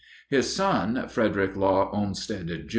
His son, Frederick Law Olmsted, Jr.